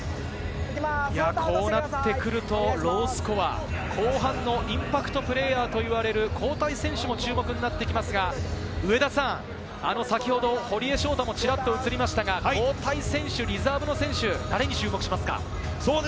こうなってくるとロースコア、後半のインパクトプレーヤーと言われる、交代選手も注目になってきますが、上田さん、先ほど堀江翔太もちらっと映りましたが、交代選手、リザーブ選手、誰に注目しますか？